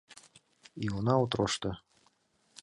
Иона отрошто